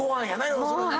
要するに。